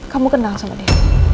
kamu kenal sama dia